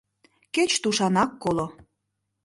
Кеч тушанак коло!